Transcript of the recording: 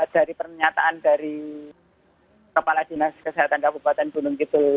dari pernyataan dari kepala dinas kesehatan kabupaten gunung kidul